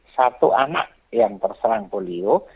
satu anak yang terserang polio